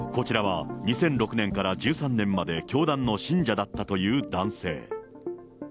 こちらは、２００６年から１３年まで教団の信者だったという男性。